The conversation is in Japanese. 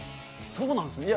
そうなんですね。